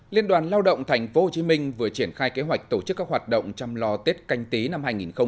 liên đoàn lao động tp hcm vừa triển khai kế hoạch tổ chức các hoạt động chăm lo tết canh tí năm hai nghìn hai mươi